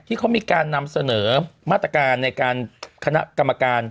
ที่เขามีการนำเสนอมาตรการในการคณะกรรมการ